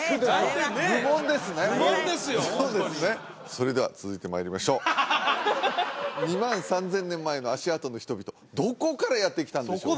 それでは続いてまいりましょう２万３０００年前の足跡の人々どこからやって来たんでしょう？